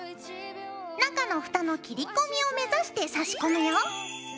中のフタの切り込みを目指してさし込むよ。